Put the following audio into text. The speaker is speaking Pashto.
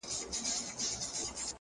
• ستا د ګرېوان ستا د پېزوان لپاره -